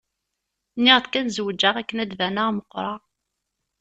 Nniɣ-d kan zewǧeɣ akken ad d-baneɣ meqqreɣ.